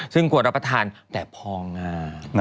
ซึ่งควรรับประทานแต่พองาม